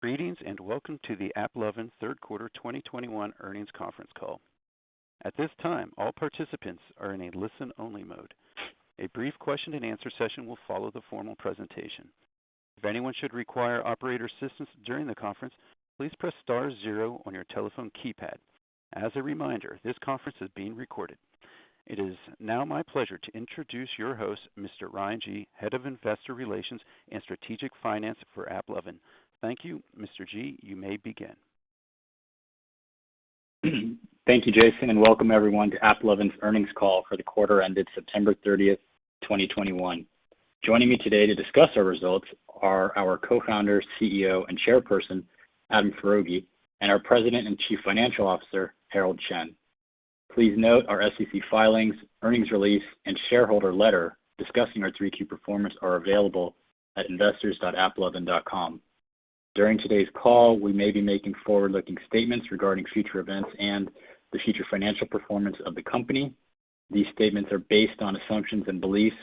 Greetings, and welcome to the AppLovin third quarter 2021 earnings conference call. At this time, all participants are in a listen-only mode. A brief question and answer session will follow the formal presentation. If anyone should require operator assistance during the conference, please press star zero on your telephone keypad. As a reminder, this conference is being recorded. It is now my pleasure to introduce your host, Mr. Ryan Gee, Head of Investor Relations and Strategic Finance for AppLovin. Thank you. Mr. Gee, you may begin. Thank you, Jason, and welcome everyone to AppLovin's earnings call for the quarter ended September 30th, 2021. Joining me today to discuss our results are our Co-Founder, CEO, and Chairperson, Adam Foroughi, and our President and Chief Financial Officer, Herald Chen. Please note our SEC filings, earnings release, and shareholder letter discussing our Q3 performance are available at investors.applovin.com. During today's call, we may be making forward-looking statements regarding future events and the future financial performance of the company. These statements are based on assumptions and beliefs,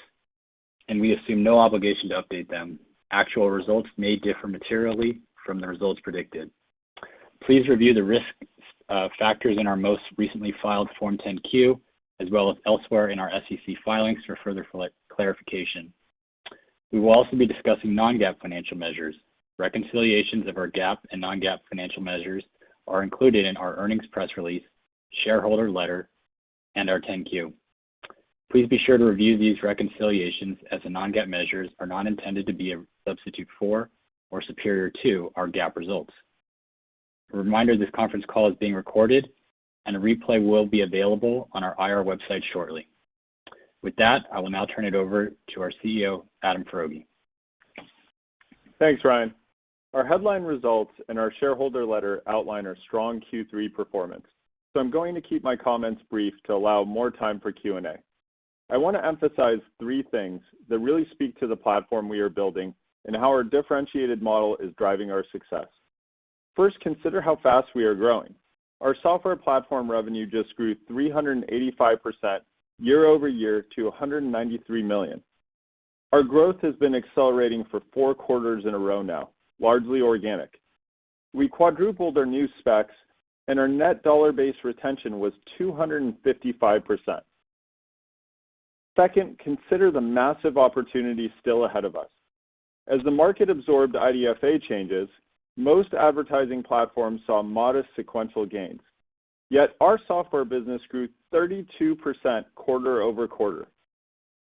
and we assume no obligation to update them. Actual results may differ materially from the results predicted. Please review the risk factors in our most recently filed Form 10-Q as well as elsewhere in our SEC filings for further clarification. We will also be discussing non-GAAP financial measures. Reconciliations of our GAAP and non-GAAP financial measures are included in our earnings press release, shareholder letter, and our 10-Q. Please be sure to review these reconciliations as the non-GAAP measures are not intended to be a substitute for or superior to our GAAP results. A reminder, this conference call is being recorded, and a replay will be available on our IR website shortly. With that, I will now turn it over to our CEO, Adam Foroughi. Thanks, Ryan. Our headline results and our shareholder letter outline our strong Q3 performance, so I'm going to keep my comments brief to allow more time for Q&A. I wanna emphasize three things that really speak to the platform we are building and how our differentiated model is driving our success. First, consider how fast we are growing. Our software platform revenue just grew 385% year-over-year to $193 million. Our growth has been accelerating for four quarters in a row now, largely organic. We quadrupled our new specs, and our net dollar-based retention was 255%. Second, consider the massive opportunity still ahead of us. As the market absorbed IDFA changes, most advertising platforms saw modest sequential gains, yet our software business grew 32% quarter-over-quarter.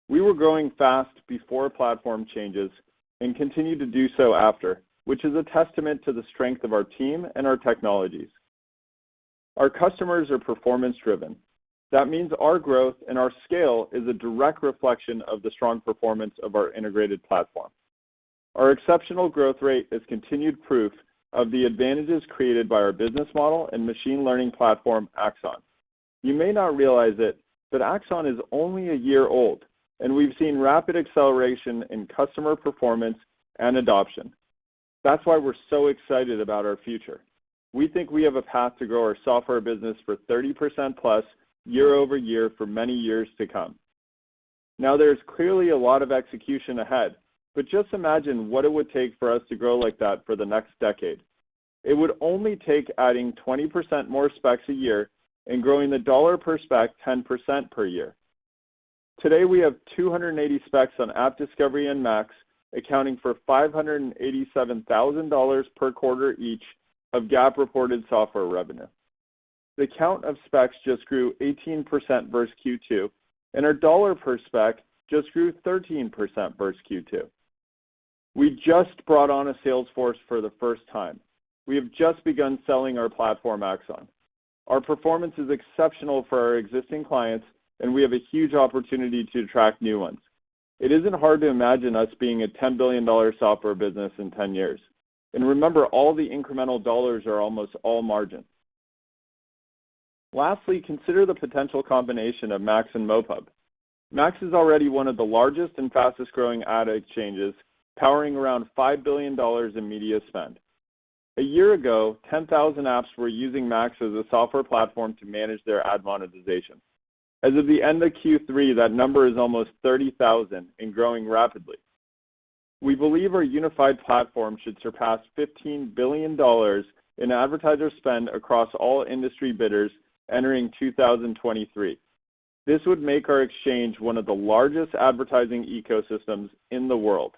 We were growing fast before platform changes and continued to do so after, which is a testament to the strength of our team and our technologies. Our customers are performance-driven. That means our growth and our scale is a direct reflection of the strong performance of our integrated platform. Our exceptional growth rate is continued proof of the advantages created by our business model and machine learning platform, AXON. You may not realize it, but AXON is only a year old, and we've seen rapid acceleration in customer performance and adoption. That's why we're so excited about our future. We think we have a path to grow our software business for 30%+ year-over-year for many years to come. Now, there's clearly a lot of execution ahead, but just imagine what it would take for us to grow like that for the next decade. It would only take adding 20% more SPECs a year and growing the dollar per SPEC 10% per year. Today, we have 280 SPECs on AppDiscovery and MAX, accounting for $587,000 per quarter each of GAAP-reported software revenue. The count of SPECs just grew 18% versus Q2, and our dollar per SPEC just grew 13% versus Q2. We just brought on a sales force for the first time. We have just begun selling our platform, AXON. Our performance is exceptional for our existing clients, and we have a huge opportunity to attract new ones. It isn't hard to imagine us being a $10 billion software business in 10 years. Remember, all the incremental dollars are almost all margin. Lastly, consider the potential combination of MAX and MoPub. MAX is already one of the largest and fastest-growing ad exchanges, powering around $5 billion in media spend. A year ago, 10,000 apps were using MAX as a software platform to manage their ad monetization. As of the end of Q3, that number is almost 30,000 and growing rapidly. We believe our unified platform should surpass $15 billion in advertiser spend across all industry bidders entering 2023. This would make our exchange one of the largest advertising ecosystems in the world.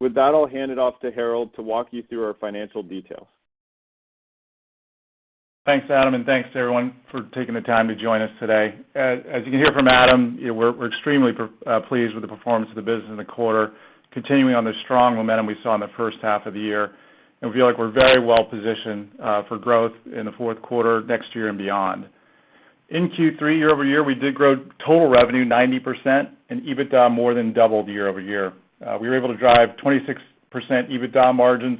With that, I'll hand it off to Herald to walk you through our financial details. Thanks, Adam, and thanks to everyone for taking the time to join us today. As you can hear from Adam, you know, we're extremely pleased with the performance of the business in the quarter, continuing on the strong momentum we saw in the first half of the year, and we feel like we're very well-positioned for growth in the fourth quarter, next year, and beyond. In Q3 year-over-year, we did grow total revenue 90% and EBITDA more than doubled year-over-year. We were able to drive 26% EBITDA margins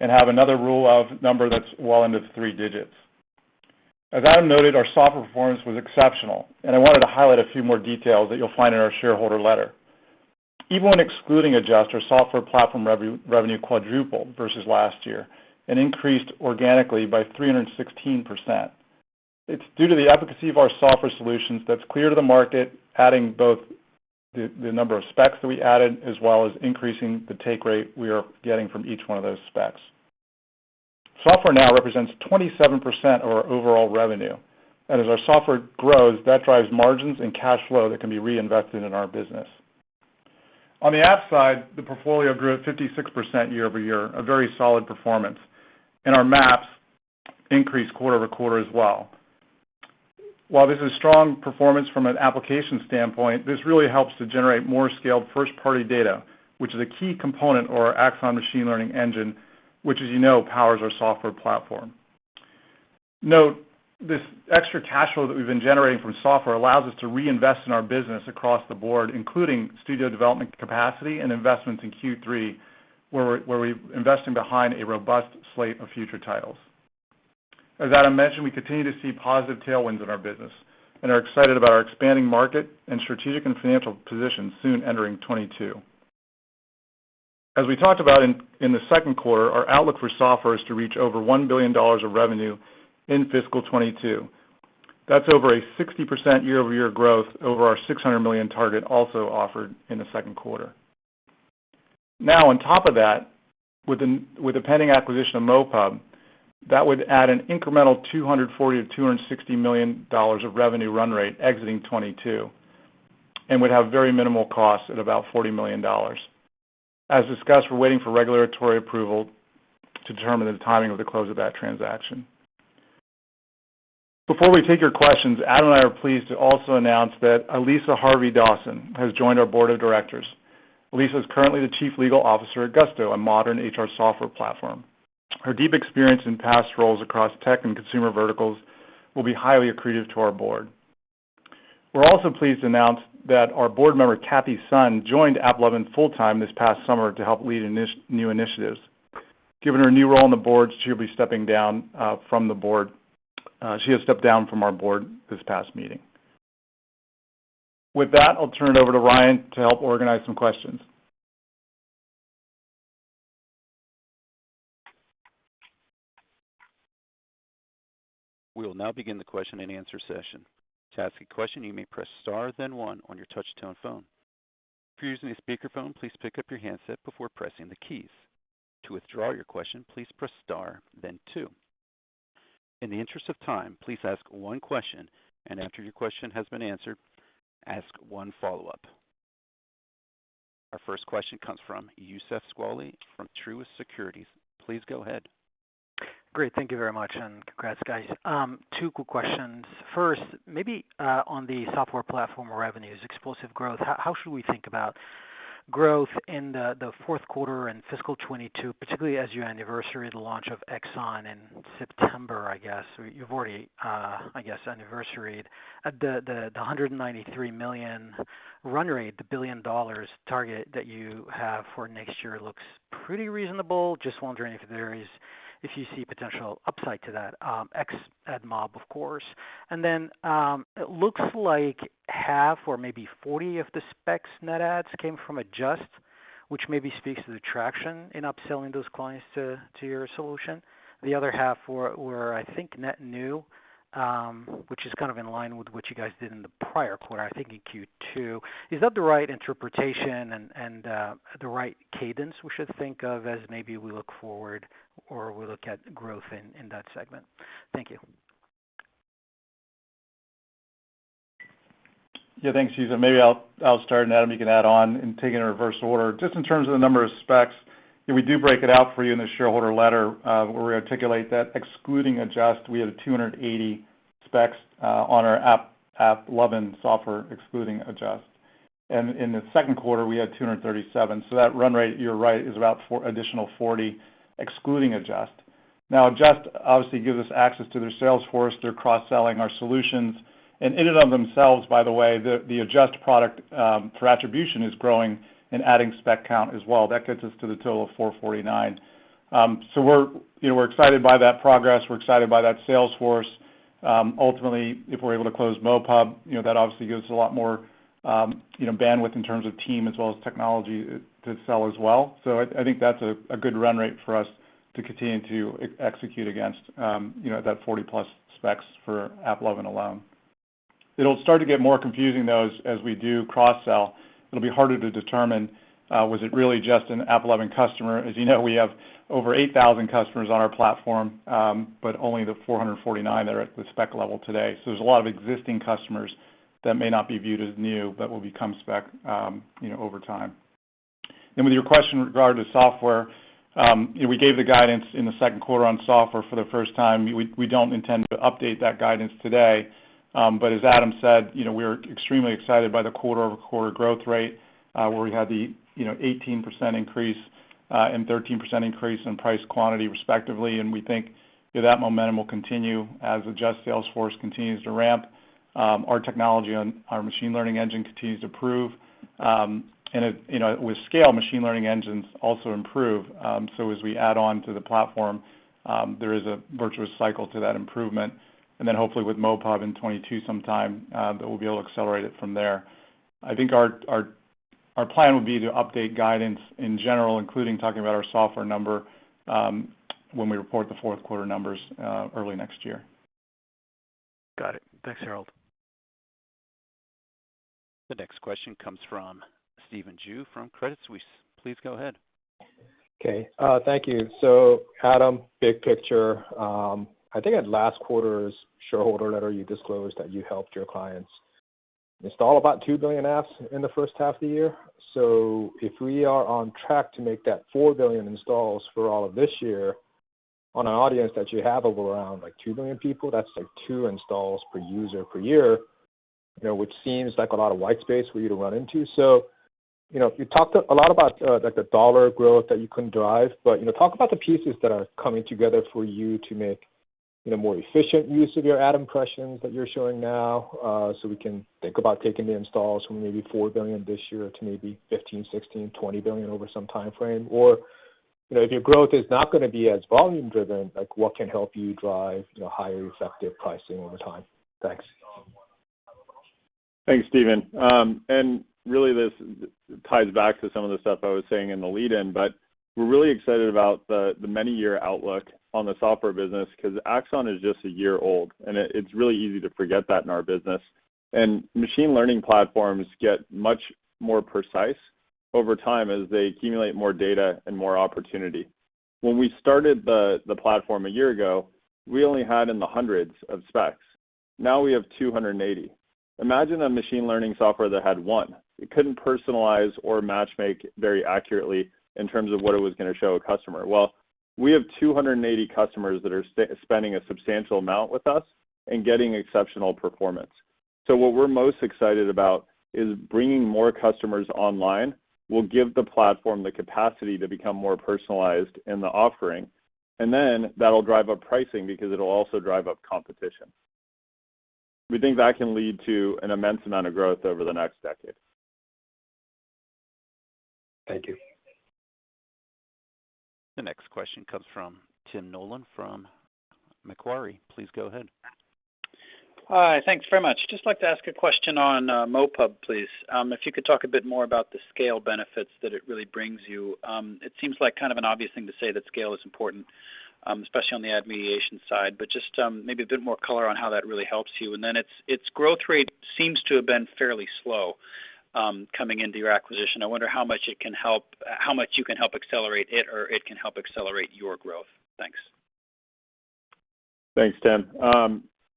and have another Rule of 40 number that's well into three digits. As Adam noted, our software performance was exceptional, and I wanted to highlight a few more details that you'll find in our shareholder letter. Even when excluding Adjust, software platform revenue quadrupled versus last year and increased organically by 316%. It's due to the efficacy of our software solutions that's clear to the market, adding both the number of SPECs that we added as well as increasing the take rate we are getting from each one of those SPECs. Software now represents 27% of our overall revenue, and as our software grows, that drives margins and cash flow that can be reinvested in our business. On the app side, the portfolio grew 56% year-over-year, a very solid performance, and our MAPs increased quarter-over-quarter as well. While this is strong performance from an application standpoint, this really helps to generate more scaled first-party data, which is a key component of our AXON machine learning engine, which, as you know, powers our software platform. Note this extra cash flow that we've been generating from software allows us to reinvest in our business across the board, including studio development capacity and investments in Q3, where we're investing behind a robust slate of future titles. As Adam mentioned, we continue to see positive tailwinds in our business and are excited about our expanding market and strategic and financial position soon entering 2022. As we talked about in the second quarter, our outlook for software is to reach over $1 billion of revenue in fiscal 2022. That's over a 60% year-over-year growth over our $600 million target also offered in the second quarter. Now, on top of that, with the pending acquisition of MoPub, that would add an incremental $240 million-$260 million of revenue run rate exiting 2022 and would have very minimal costs at about $40 million. As discussed, we're waiting for regulatory approval to determine the timing of the close of that transaction. Before we take your questions, Adam and I are pleased to also announce that Alyssa Harvey Dawson has joined our board of directors. Alyssa is currently the chief legal officer at Gusto, a modern HR software platform. Her deep experience in past roles across tech and consumer verticals will be highly accretive to our board. We're also pleased to announce that our board member, Cathy Sun, joined AppLovin full-time this past summer to help lead new initiatives. Given her new role on the board, she'll be stepping down from the board. She has stepped down from our board this past meeting. With that, I'll turn it over to Ryan to help organize some questions. We will now begin the question-and-answer session. To ask a question, you may press star then one on your touch tone phone. If you're using a speakerphone, please pick up your handset before pressing the keys. To withdraw your question, please press star then two. In the interest of time, please ask one question, and after your question has been answered, ask one follow-up. Our first question comes from Youssef Squali from Truist Securities. Please go ahead. Great. Thank you very much, and congrats, guys. Two quick questions. First, maybe on the software platform revenues explosive growth. How should we think about growth in the fourth quarter and fiscal 2022, particularly as you anniversary the launch of AXON in September, I guess? You've already, I guess anniversaried the $193 million run rate, the $1 billion target that you have for next year looks pretty reasonable. Just wondering if you see potential upside to that, Ex-MoPub, of course. Then, it looks like half or maybe 40% of the SPECs net adds came from adjust, which maybe speaks to the traction in upselling those clients to your solution. The other half were I think net new, which is kind of in line with what you guys did in the prior quarter, I think in Q2. Is that the right interpretation and the right cadence we should think of as maybe we look forward or we look at growth in that segment? Thank you. Yeah. Thanks, Youssef. Maybe I'll start and Adam you can add on in reverse order. Just in terms of the number of specs, we do break it out for you in the shareholder letter, where we articulate that excluding Adjust, we had 280 specs on our AppLovin software excluding Adjust. In the second quarter, we had 237. That run rate, you're right, is about 40 additional excluding Adjust. Now, Adjust obviously gives us access to their sales force. They're cross-selling our solutions. In and of themselves, by the way, the Adjust product for attribution is growing and adding spec count as well. That gets us to the total of 449. You know, we're excited by that progress. We're excited by that sales force. Ultimately, if we're able to close MoPub, you know, that obviously gives a lot more, you know, bandwidth in terms of team as well as technology to sell as well. I think that's a good run rate for us to continue to execute against, you know, that 40+ specs for AppLovin alone. It'll start to get more confusing though as we do cross-sell. It'll be harder to determine, was it really just an AppLovin customer? As you know, we have over 8,000 customers on our platform, but only the 449 that are at the spec level today. There's a lot of existing customers that may not be viewed as new, but will become spec, you know, over time. With your question regarding software, you know, we gave the guidance in the second quarter on software for the first time. We don't intend to update that guidance today. As Adam said, you know, we're extremely excited by the quarter-over-quarter growth rate, where we had 18% increase and 13% increase in price and quantity respectively. We think, you know, that momentum will continue as Adjust sales force continues to ramp, our technology and our machine learning engine continues to improve. With scale, you know, machine learning engines also improve. As we add on to the platform, there is a virtuous cycle to that improvement. Hopefully with MoPub in 2022 sometime, that we'll be able to accelerate it from there. I think our Our plan would be to update guidance in general, including talking about our software number, when we report the fourth quarter numbers, early next year. Got it. Thanks, Herald. The next question comes from Stephen Ju from Credit Suisse. Please go ahead. Okay. Thank you. Adam, big picture, I think at last quarter's shareholder letter you disclosed that you helped your clients install about 2 billion apps in the first half of the year. If we are on track to make that 4 billion installs for all of this year on an audience that you have of around like 2 billion people, that's like a lot of white space for you to run into. You know, you talked a lot about, like the dollar growth that you can drive, but, you know, talk about the pieces that are coming together for you to make, you know, more efficient use of your ad impressions that you're showing now, so we can think about taking the installs from maybe 4 billion this year to maybe 15, 16, 20 billion over some timeframe. Or, you know, if your growth is not gonna be as volume driven, like what can help you drive, you know, higher effective pricing over time? Thanks. Thanks, Stephen. Really, this ties back to some of the stuff I was saying in the lead-in, but we're really excited about the many-year outlook on the software business 'cause AXON is just a year old, and it's really easy to forget that in our business. Machine learning platforms get much more precise over time as they accumulate more data and more opportunity. When we started the platform a year ago, we only had in the hundreds of SPECs. Now we have 280. Imagine a machine learning software that had one. It couldn't personalize or matchmake very accurately in terms of what it was gonna show a customer. Well, we have 280 customers that are spending a substantial amount with us and getting exceptional performance. What we're most excited about is bringing more customers online will give the platform the capacity to become more personalized in the offering, and then that'll drive up pricing because it'll also drive up competition. We think that can lead to an immense amount of growth over the next decade. Thank you. The next question comes from Tim Nollen from Macquarie. Please go ahead. Hi. Thanks very much. Just like to ask a question on MoPub, please. If you could talk a bit more about the scale benefits that it really brings you. It seems like kind of an obvious thing to say that scale is important, especially on the ad mediation side, but just maybe a bit more color on how that really helps you. Its growth rate seems to have been fairly slow, coming into your acquisition. I wonder how much it can help how much you can help accelerate it or it can help accelerate your growth. Thanks. Thanks, Tim.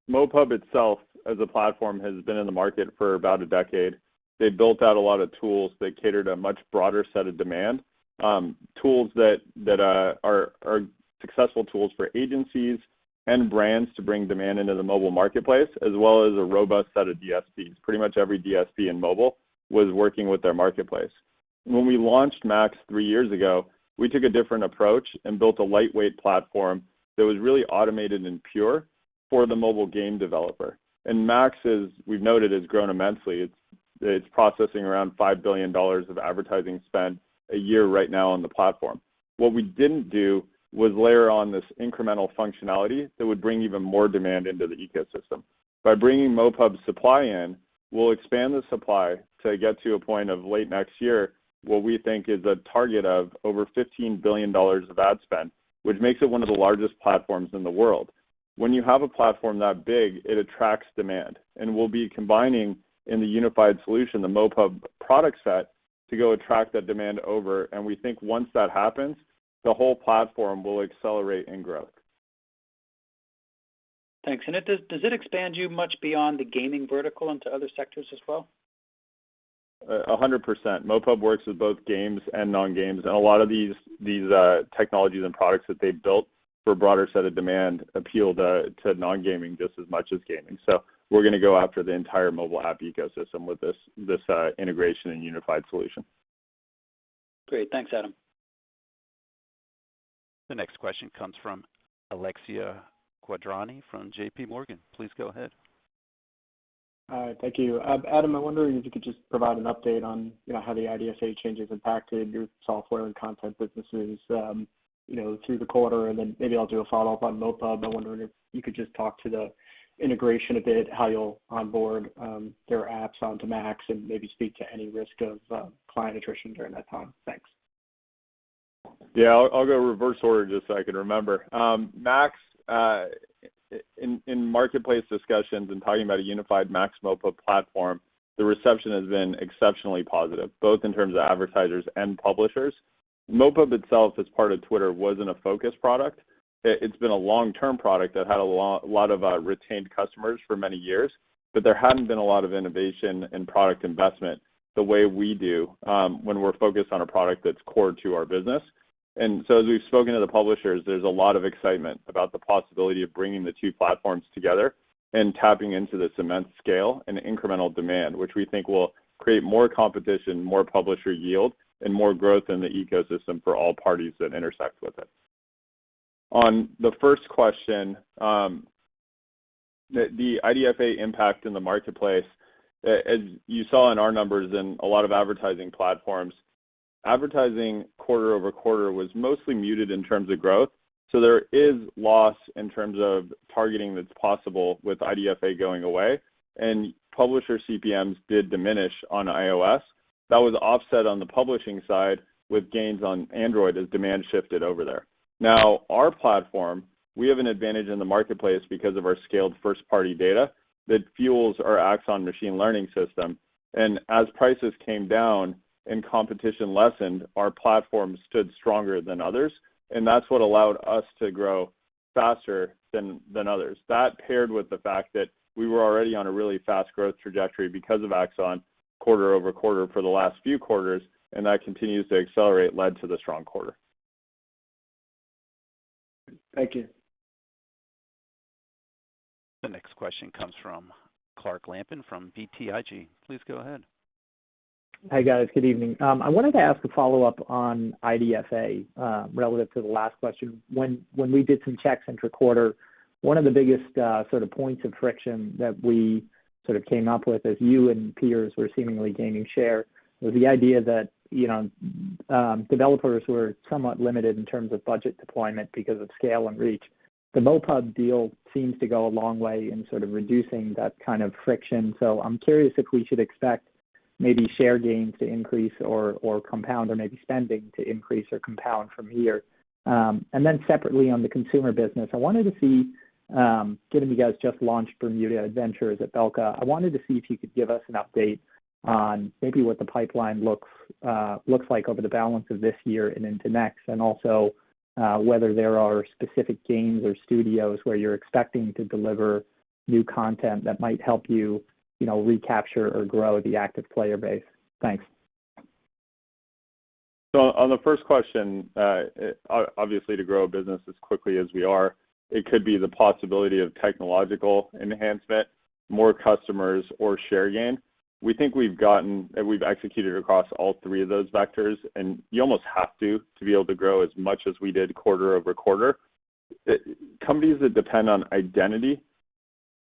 MoPub itself as a platform has been in the market for about a decade. They built out a lot of tools that catered a much broader set of demand. Tools that are successful tools for agencies and brands to bring demand into the mobile marketplace, as well as a robust set of DSPs. Pretty much every DSP in mobile was working with their marketplace. When we launched MAX three years ago, we took a different approach and built a lightweight platform that was really automated and pure for the mobile game developer. MAX is, we've noted, has grown immensely. It's processing around $5 billion of advertising spend a year right now on the platform. What we didn't do was layer on this incremental functionality that would bring even more demand into the ecosystem. By bringing MoPub's supply in, we'll expand the supply to get to a point of late next year what we think is a target of over $15 billion of ad spend, which makes it one of the largest platforms in the world. When you have a platform that big, it attracts demand, and we'll be combining in the unified solution, the MoPub product set, to go attract that demand over. We think once that happens, the whole platform will accelerate in growth. Thanks. Does it expand you much beyond the gaming vertical into other sectors as well? 100%. MoPub works with both games and non-games, and a lot of these technologies and products that they've built for a broader set of demand appeal to non-gaming just as much as gaming. We're gonna go after the entire mobile app ecosystem with this integration and unified solution. Great. Thanks, Adam. The next question comes from Alexia Quadrani from JPMorgan. Please go ahead. All right. Thank you. Adam, I wonder if you could just provide an update on, you know, how the IDFA changes impacted your software and content businesses, you know, through the quarter, and then maybe I'll do a follow-up on MoPub. I'm wondering if you could just talk to the integration a bit, how you'll onboard their apps onto MAX and maybe speak to any risk of client attrition during that time. Thanks. Yeah. I'll go reverse order just so I can remember. MAX in marketplace discussions and talking about a unified MAX MoPub platform, the reception has been exceptionally positive, both in terms of advertisers and publishers. MoPub itself, as part of Twitter, wasn't a focus product. It's been a long-term product that had a lot of retained customers for many years, but there hadn't been a lot of innovation and product investment the way we do when we're focused on a product that's core to our business. As we've spoken to the publishers, there's a lot of excitement about the possibility of bringing the two platforms together and tapping into this immense scale and incremental demand, which we think will create more competition, more publisher yield, and more growth in the ecosystem for all parties that intersect with it. On the first question, the IDFA impact in the marketplace, as you saw in our numbers and a lot of advertising platforms. Advertising quarter over quarter was mostly muted in terms of growth, so there is loss in terms of targeting that's possible with IDFA going away, and publisher CPMs did diminish on iOS. That was offset on the publishing side with gains on Android as demand shifted over there. Now, our platform, we have an advantage in the marketplace because of our scaled first-party data that fuels our AXON machine learning system. As prices came down and competition lessened, our platform stood stronger than others, and that's what allowed us to grow faster than others. That paired with the fact that we were already on a really fast growth trajectory because of AXON quarter-over-quarter for the last few quarters, and that continues to accelerate, led to the strong quarter. Thank you. The next question comes from Clark Lampen from BTIG. Please go ahead. Hi, guys. Good evening. I wanted to ask a follow-up on IDFA relative to the last question. When we did some checks inter-quarter, one of the biggest sort of points of friction that we sort of came up with as you and peers were seemingly gaining share was the idea that, you know, developers were somewhat limited in terms of budget deployment because of scale and reach. The MoPub deal seems to go a long way in sort of reducing that kind of friction. I'm curious if we should expect maybe share gains to increase or compound or maybe spending to increase or compound from here. Separately on the consumer business, I wanted to see, given you guys just launched Bermuda Adventures at Belka, I wanted to see if you could give us an update on maybe what the pipeline looks like over the balance of this year and into next, and also, whether there are specific games or studios where you're expecting to deliver new content that might help you know, recapture or grow the active player base. Thanks. On the first question, obviously to grow a business as quickly as we are, it could be the possibility of technological enhancement, more customers or share gain. We think we've gotten and we've executed across all three of those vectors, and you almost have to be able to grow as much as we did quarter-over-quarter. Companies that depend on identity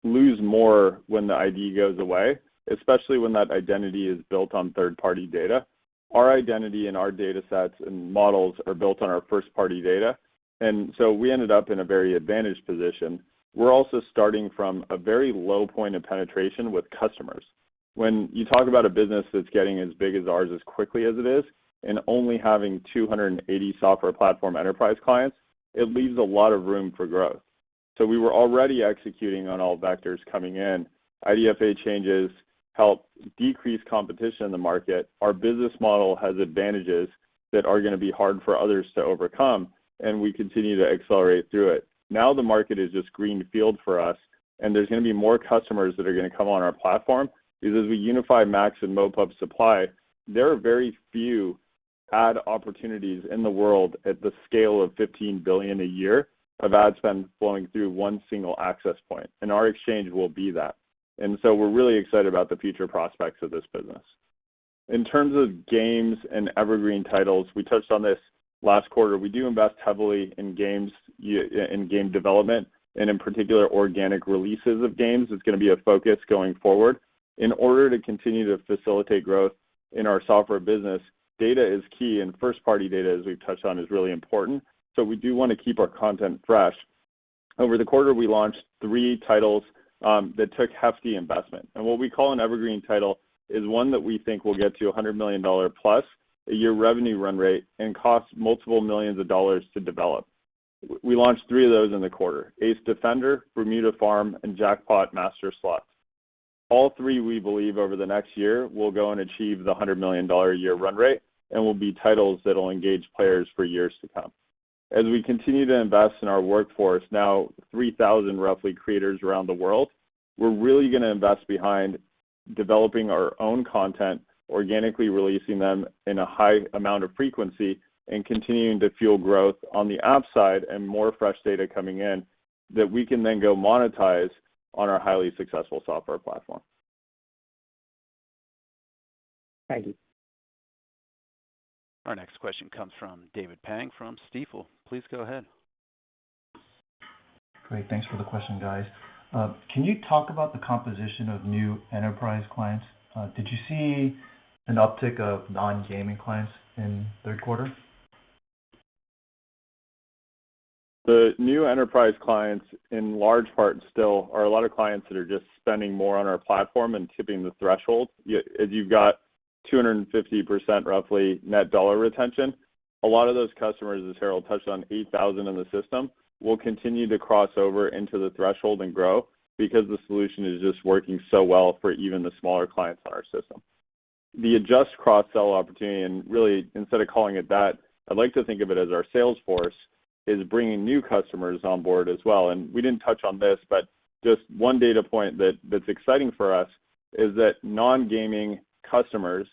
lose more when the ID goes away, especially when that identity is built on third-party data. Our identity and our datasets and models are built on our first-party data, and so we ended up in a very advantaged position. We're also starting from a very low point of penetration with customers. When you talk about a business that's getting as big as ours as quickly as it is and only having 280 software platform enterprise clients, it leaves a lot of room for growth. We were already executing on all vectors coming in. IDFA changes help decrease competition in the market. Our business model has advantages that are gonna be hard for others to overcome, and we continue to accelerate through it. Now the market is just greenfield for us, and there's gonna be more customers that are gonna come on our platform because as we unify MAX and MoPub supply, there are very few ad opportunities in the world at the scale of $15 billion a year of ad spend flowing through one single access point, and our exchange will be that. We're really excited about the future prospects of this business. In terms of games and evergreen titles, we touched on this last quarter. We do invest heavily in games, in game development, and in particular, organic releases of games is gonna be a focus going forward. In order to continue to facilitate growth in our software business, data is key, and first-party data, as we've touched on, is really important, so we do want to keep our content fresh. Over the quarter, we launched three titles, that took hefty investment. What we call an evergreen title is one that we think will get to a $100 million+ a year revenue run rate and costs multiple millions of dollars to develop. We launched three of those in the quarter: Ace Defender, Bermuda Adventures, and Jackpot Master Slots. All three, we believe over the next year, will go and achieve the $100 million a year run rate and will be titles that will engage players for years to come. As we continue to invest in our workforce, now roughly 3,000 creators around the world, we're really gonna invest behind developing our own content, organically releasing them in a high amount of frequency and continuing to fuel growth on the app side and more fresh data coming in that we can then go monetize on our highly successful software platform. Thank you. Our next question comes from David Pang from Stifel. Please go ahead. Great. Thanks for the question, guys. Can you talk about the composition of new enterprise clients? Did you see an uptick of non-gaming clients in third quarter? The new enterprise clients in large part still are a lot of clients that are just spending more on our platform and tipping the threshold. As you've got 250% roughly net dollar retention, a lot of those customers, as Herald touched on, 8,000 in the system, will continue to cross over into the threshold and grow because the solution is just working so well for even the smaller clients on our system. The Adjust cross-sell opportunity, and really instead of calling it that, I'd like to think of it as our sales force, is bringing new customers on board as well. We didn't touch on this, but just one data point that's exciting for us is that non-gaming customers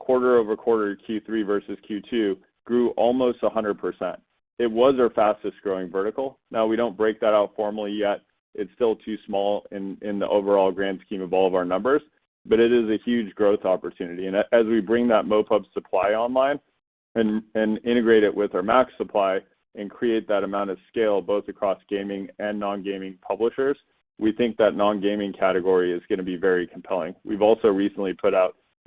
quarter-over-quarter Q3 versus Q2 grew almost 100%. It was our fastest-growing vertical. Now we don't break that out formally yet. It's still too small in the overall grand scheme of all of our numbers, but it is a huge growth opportunity. As we bring that MoPub supply online and integrate it with our MAX supply and create that amount of scale, both across gaming and non-gaming publishers, we think that non-gaming category is gonna be very compelling. We've also recently put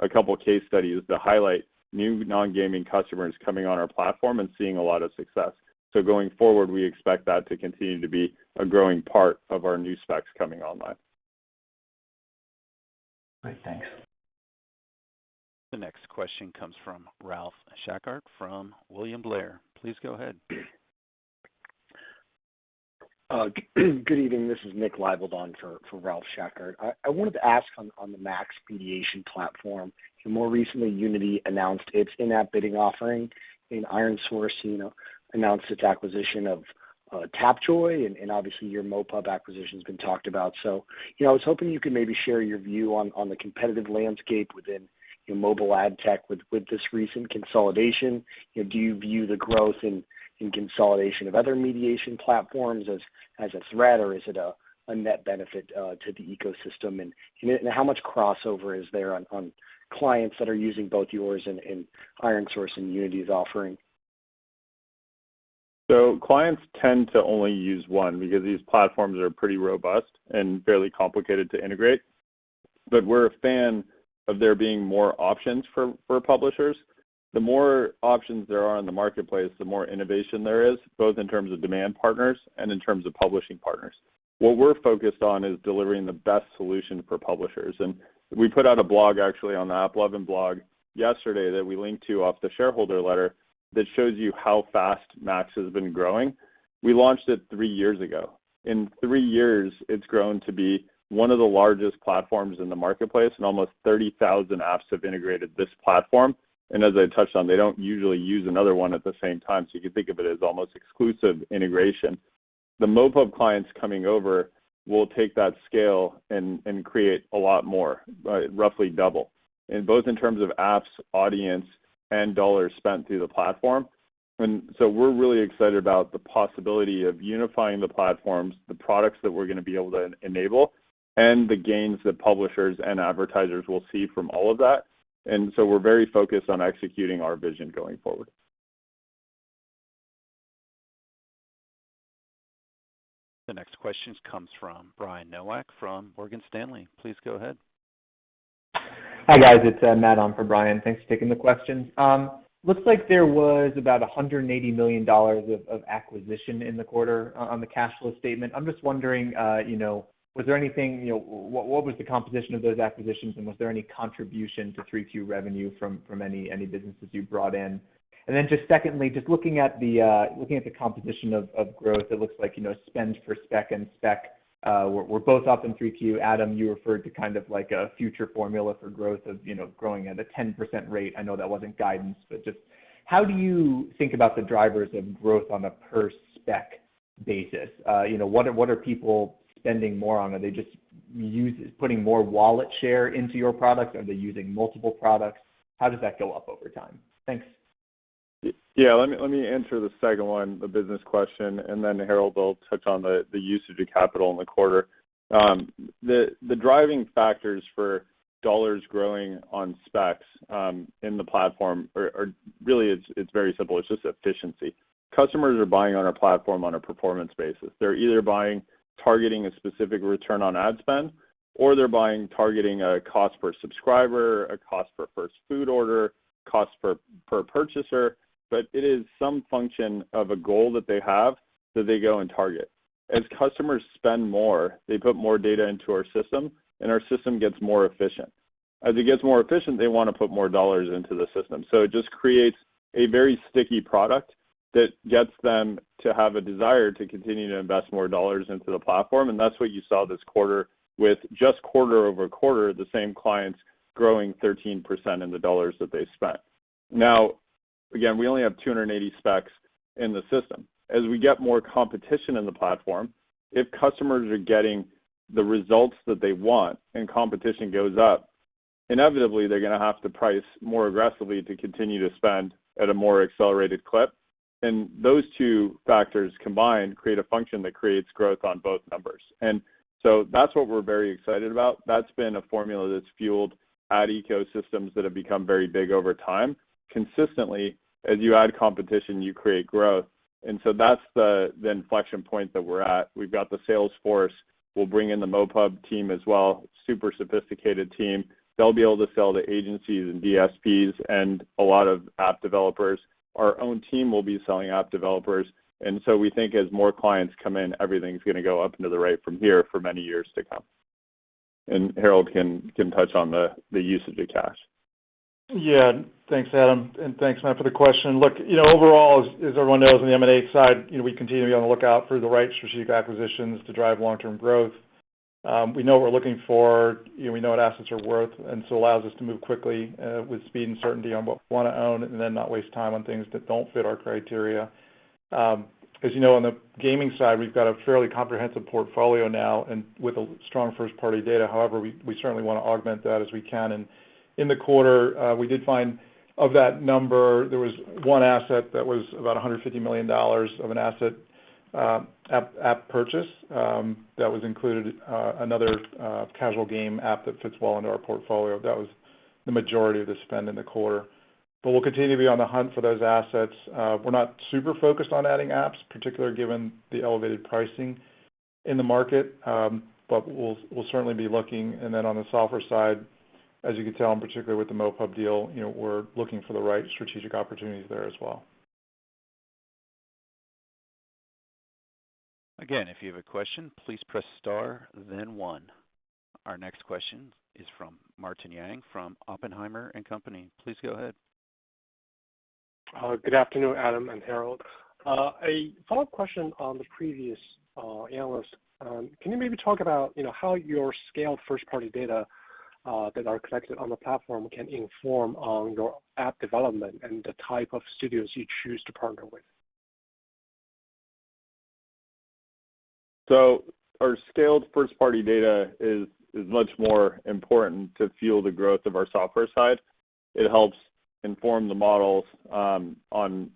out a couple case studies that highlight new non-gaming customers coming on our platform and seeing a lot of success. Going forward, we expect that to continue to be a growing part of our new specs coming online. Great. Thanks. The next question comes from Ralph Schackart from William Blair. Please go ahead. Good evening. This is Nick Leibold for Ralph Schackart. I wanted to ask on the MAX mediation platform. More recently, Unity announced its in-app bidding offering and ironSource, you know, announced its acquisition of Tapjoy, and obviously your MoPub acquisition's been talked about. You know, I was hoping you could maybe share your view on the competitive landscape within mobile ad tech with this recent consolidation. You know, do you view the growth in consolidation of other mediation platforms as a threat, or is it a net benefit to the ecosystem? How much crossover is there on clients that are using both yours and ironSource and Unity's offering? Clients tend to only use one because these platforms are pretty robust and fairly complicated to integrate. We're a fan of there being more options for publishers. The more options there are in the marketplace, the more innovation there is, both in terms of demand partners and in terms of publishing partners. What we're focused on is delivering the best solution for publishers. We put out a blog actually on the AppLovin blog yesterday that we linked to off the shareholder letter that shows you how fast MAX has been growing. We launched it three years ago. In three years, it's grown to be one of the largest platforms in the marketplace, and almost 30,000 apps have integrated this platform. As I touched on, they don't usually use another one at the same time. You could think of it as almost exclusive integration. The MoPub clients coming over will take that scale and create a lot more, roughly double, in both terms of apps, audience, and dollars spent through the platform. We're really excited about the possibility of unifying the platforms, the products that we're gonna be able to enable, and the gains that publishers and advertisers will see from all of that. We're very focused on executing our vision going forward. The next question comes from Brian Nowak from Morgan Stanley. Please go ahead. Hi, guys. It's Matt on for Brian. Thanks for taking the question. Looks like there was about $180 million of acquisitions in the quarter on the cash flow statement. I'm just wondering, you know, was there anything. You know, what was the composition of those acquisitions, and was there any contribution to 3Q revenue from any businesses you brought in? Just secondly, just looking at the composition of growth, it looks like, you know, spend per SPEC and SPEC were both up in 3Q. Adam, you referred to kind of like a future formula for growth of, you know, growing at a 10% rate. I know that wasn't guidance, but just how do you think about the drivers of growth on a per SPEC basis? You know, what are people spending more on? Are they just upping more wallet share into your product? Are they using multiple products? How does that go up over time? Thanks. Yeah. Let me answer the second one, the business question, and then Herald will touch on the usage of capital in the quarter. The driving factors for dollars growing on specs in the platform are really it's very simple. It's just efficiency. Customers are buying on our platform on a performance basis. They're either buying, targeting a specific return on ad spend, or they're buying, targeting a cost per subscriber, a cost per first food order, cost per purchaser, but it is some function of a goal that they have that they go and target. As customers spend more, they put more data into our system, and our system gets more efficient. As it gets more efficient, they wanna put more dollars into the system. It just creates a very sticky product that gets them to have a desire to continue to invest more dollars into the platform, and that's what you saw this quarter with just quarter-over-quarter, the same clients growing 13% in the dollars that they spent. Now, again, we only have 280 SPECs in the system. As we get more competition in the platform, if customers are getting the results that they want and competition goes up, inevitably they're gonna have to price more aggressively to continue to spend at a more accelerated clip. Those two factors combined create a function that creates growth on both numbers. That's what we're very excited about. That's been a formula that's fueled ad ecosystems that have become very big over time. Consistently, as you add competition, you create growth. That's the inflection point that we're at. We've got the sales force. We'll bring in the MoPub team as well, super sophisticated team. They'll be able to sell to agencies and DSPs and a lot of app developers. Our own team will be selling app developers. We think as more clients come in, everything's gonna go up into the right from here for many years to come. Herald can touch on the usage of cash. Yeah. Thanks, Adam, and thanks, Matt, for the question. Look, you know, overall, as everyone knows on the M&A side, you know, we continue to be on the lookout for the right strategic acquisitions to drive long-term growth. We know what we're looking for, you know, we know what assets are worth, and so allows us to move quickly, with speed and certainty on what we wanna own and then not waste time on things that don't fit our criteria. As you know, on the gaming side, we've got a fairly comprehensive portfolio now and with a strong first-party data. However, we certainly wanna augment that as we can. In the quarter, we did find, of that number, there was one asset that was about $150 million of an asset, app purchase, that was included, another, casual game app that fits well into our portfolio. That was the majority of the spend in the quarter. We'll continue to be on the hunt for those assets. We're not super focused on adding apps, particularly given the elevated pricing in the market, but we'll certainly be looking. On the software side, as you can tell, in particular with the MoPub deal, you know, we're looking for the right strategic opportunities there as well. Again, if you have a question, please press star then one. Our next question is from Martin Yang from Oppenheimer & Co. Please go ahead. Good afternoon, Adam and Herald. A follow-up question on the previous analyst. Can you maybe talk about, you know, how your scaled first-party data that are collected on the platform can inform on your app development and the type of studios you choose to partner with? Our scaled first-party data is much more important to fuel the growth of our software side. It helps inform the models on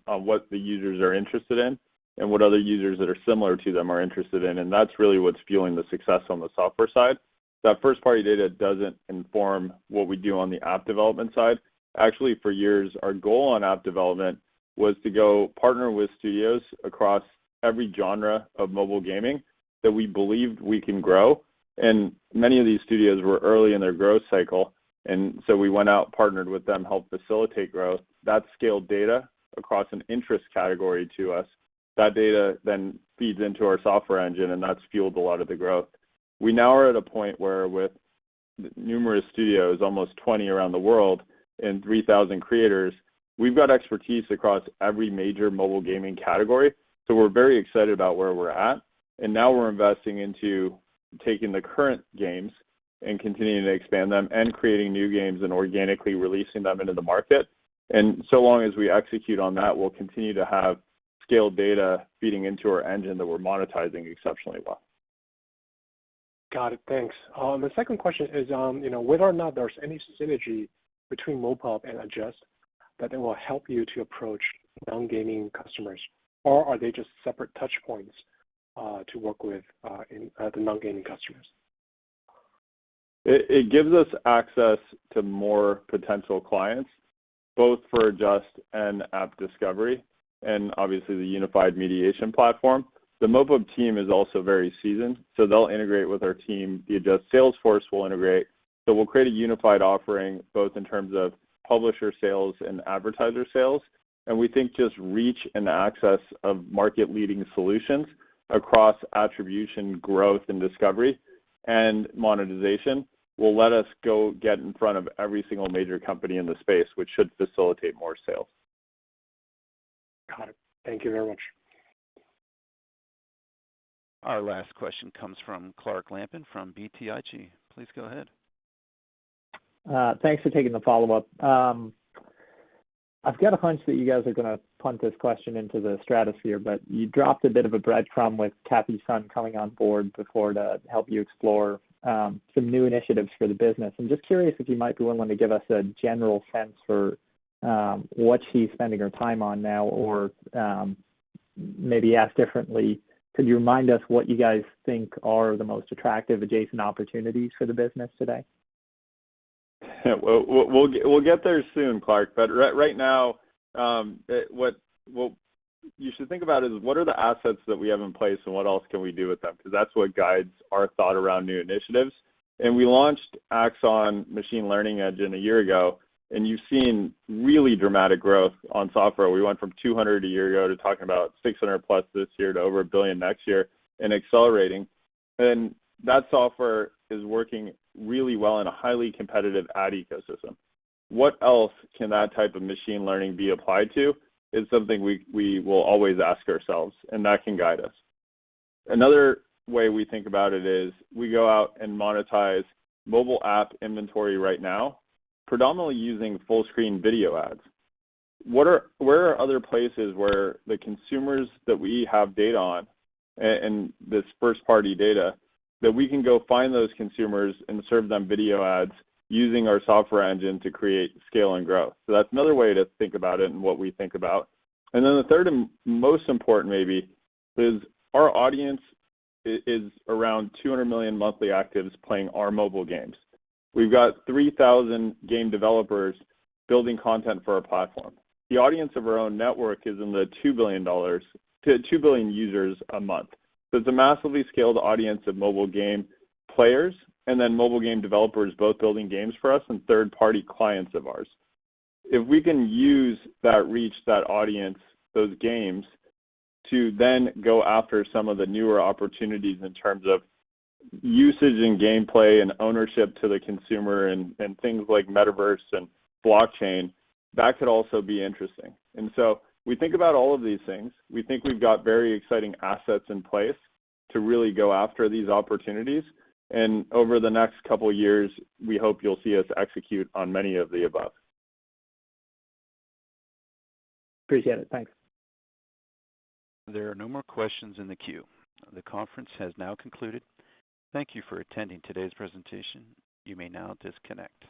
what the users are interested in and what other users that are similar to them are interested in, and that's really what's fueling the success on the software side. That first-party data doesn't inform what we do on the app development side. Actually, for years, our goal on app development was to go partner with studios across every genre of mobile gaming that we believed we can grow, and many of these studios were early in their growth cycle. We went out, partnered with them, helped facilitate growth. That scaled data across an interest category to us, that data then feeds into our software engine, and that's fueled a lot of the growth. We now are at a point where with numerous studios, almost 20 around the world and 3,000 creators, we've got expertise across every major mobile gaming category. We're very excited about where we're at, and now we're investing into taking the current games and continuing to expand them and creating new games and organically releasing them into the market. Long as we execute on that, we'll continue to have scaled data feeding into our engine that we're monetizing exceptionally well. Got it. Thanks. The second question is, you know, whether or not there's any synergy between MoPub and Adjust that they will help you to approach non-gaming customers, or are they just separate touch points to work with in the non-gaming customers? It gives us access to more potential clients, both for Adjust and AppDiscovery, and obviously the unified mediation platform. The MoPub team is also very seasoned, so they'll integrate with our team. The Adjust sales force will integrate. We'll create a unified offering both in terms of publisher sales and advertiser sales. We think just reach and access of market-leading solutions across attribution, growth, and discovery and monetization will let us go get in front of every single major company in the space, which should facilitate more sales. Got it. Thank you very much. Our last question comes from Clark Lampen from BTIG. Please go ahead. Thanks for taking the follow-up. I've got a hunch that you guys are gonna punt this question into the stratosphere, but you dropped a bit of a breadcrumb with Cathy Sun coming on board before to help you explore some new initiatives for the business. I'm just curious if you might be willing to give us a general sense for what she's spending her time on now, or maybe asked differently, could you remind us what you guys think are the most attractive adjacent opportunities for the business today? We'll get there soon, Clark. Right now, what you should think about is what are the assets that we have in place and what else can we do with them? Because that's what guides our thought around new initiatives. We launched AXON machine learning engine a year ago, and you've seen really dramatic growth on software. We went from $200 a year ago to talking about $600+ this year to over $1 billion next year and accelerating. That software is working really well in a highly competitive ad ecosystem. What else can that type of machine learning be applied to is something we will always ask ourselves, and that can guide us. Another way we think about it is we go out and monetize mobile app inventory right now, predominantly using full-screen video ads. Where are other places where the consumers that we have data on and this first-party data, that we can go find those consumers and serve them video ads using our software engine to create scale and growth? That's another way to think about it and what we think about. The third and most important maybe is our audience is around 200 million monthly actives playing our mobile games. We've got 3,000 game developers building content for our platform. The audience of our own network is in the $2 billion to 2 billion users a month. It's a massively scaled audience of mobile game players and then mobile game developers both building games for us and third-party clients of ours. If we can use that reach, that audience, those games to then go after some of the newer opportunities in terms of usage and gameplay and ownership to the consumer and things like metaverse and blockchain, that could also be interesting. We think about all of these things. We think we've got very exciting assets in place to really go after these opportunities. Over the next couple years, we hope you'll see us execute on many of the above. Appreciate it. Thanks. There are no more questions in the queue. The conference has now concluded. Thank you for attending today's presentation. You may now disconnect.